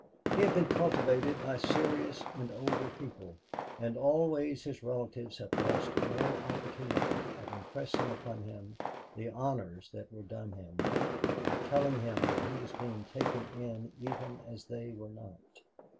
He had been cultivated by serious and older people, and always his relatives had lost no opportunity of impressing upon him the honors that were done him, of telling him that he was being taken in even as they were not.